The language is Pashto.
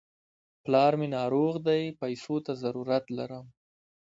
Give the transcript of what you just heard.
پلار مې ناروغ دی، پيسو ته ضرورت لرم.